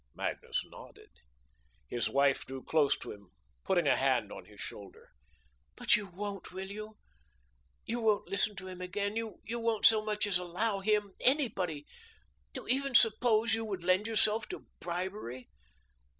Magnus nodded. His wife drew close to him, putting a hand on his shoulder. "But you won't, will you? You won't listen to him again; you won't so much as allow him anybody to even suppose you would lend yourself to bribery?